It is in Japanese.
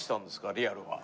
リアルは。